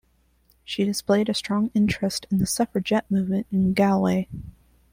She displayed a strong interest in the suffragette movement in Galway.